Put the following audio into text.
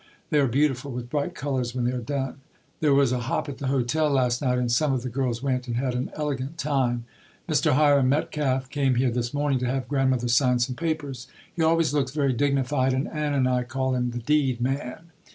They are beautiful, with bright colors, when they are done. There was a hop at the hotel last night and some of the girls went and had an elegant time. Mr. Hiram Metcalf came here this morning to have Grandmother sign some papers. He always looks very dignified, and Anna and I call him "the deed man."